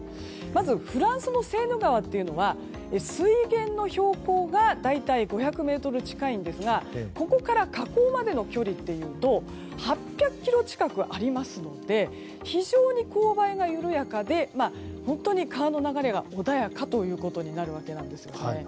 まず、フランスのセーヌ川は水源の標高が大体５００ｍ近いんですがここから河口までの距離というと８００ｋｍ近くありますので非常に勾配が緩やかで本当に川の流れが穏やかということになるわけです。